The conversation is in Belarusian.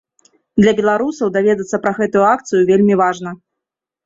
Для беларусаў даведацца пра гэтую акцыю вельмі важна.